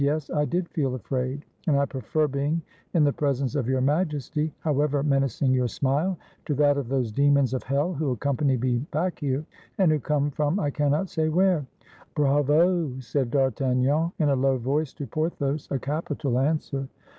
Yes, I did feel afraid; and I prefer being in the presence of Your Majesty, how ever menacing your smile, to that of those demons of hell who accompanied me back here, and who come from I cannot say where." "Bravo !" said D'Artagnan, in a low voice to Porthos, "a capital answer."